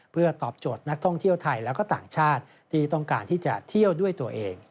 เพื่อตอบโจทย์นักท่องเที่ยวไทยและก็ต่างชาติที่ต้องการที่จะเที่ยวด้วยตัวเอง